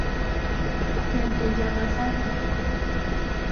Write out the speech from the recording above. Kento Yamazaki